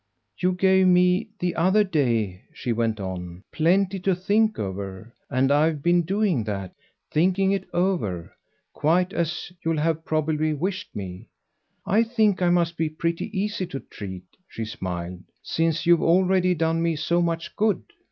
"You gave me the other day," she went on, "plenty to think over, and I've been doing that thinking it over quite as you'll have probably wished me. I think I must be pretty easy to treat," she smiled, "since you've already done me so much good."